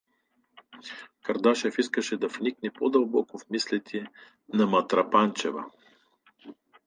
Кардашев искаше да вникне по-дълбоко в мислите на Матрапанчева.